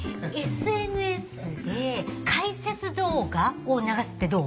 ・ＳＮＳで解説動画を流すってどう？